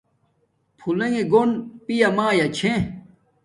پھولنݣ گُون پیامایا چھے